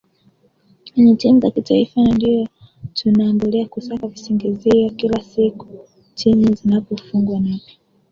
kwenye timu za kitaifa na ndiyo tunaambulia kusaka visingizio kila siku timu zinapofungwa Nape